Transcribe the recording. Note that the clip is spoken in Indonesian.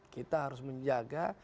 kita harus menjaga